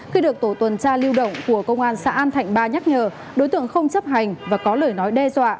khi được tổ tuần tra lưu động của công an xã an thạnh ba nhắc nhở đối tượng không chấp hành và có lời nói đe dọa